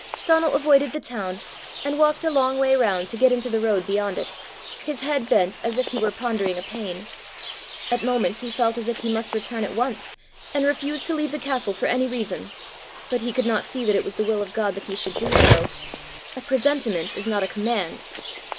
Donal avoided the town, and walked a long way round to get into the road beyond it, his head bent as if he were pondering a pain. At moments he felt as if he must return at once, and refuse to leave the castle for any reason. But he could not see that it was the will of God he should do so. A presentiment is not a command.